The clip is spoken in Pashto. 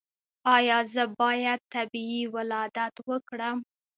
ایا زه باید طبیعي ولادت وکړم؟